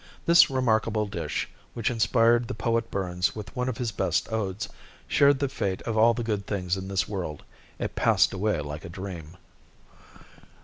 This remarkable dish, which inspired the poet Burns with one of his best odes, shared the fate of all the good things in this world—it passed away like a dream.